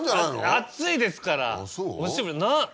熱いですから！